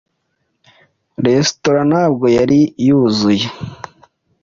Restaurant ntabwo yari yuzuye.